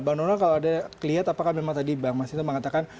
bang nona kalau ada yang lihat apakah memang tadi bang mas hita mengatakan